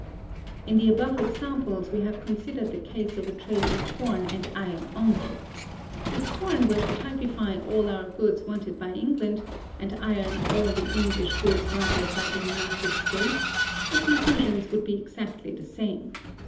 In the above examples we have considered the case of a trade in corn and iron only. If corn were to typify all our goods wanted by England, and iron all English goods wanted by the United States, the conclusions would be exactly the same.